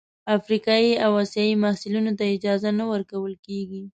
افریقايي او اسیايي محصلینو ته اجازه نه ورکول کیږي.